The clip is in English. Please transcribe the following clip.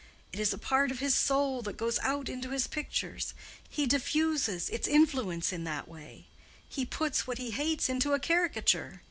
It is a part of his soul that goes out into his pictures. He diffuses its influence in that way. He puts what he hates into a caricature.